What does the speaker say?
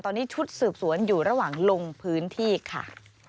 ตอนนี้ชุดสืบสวนอยู่ระหว่างลงพื้นที่ค่ะ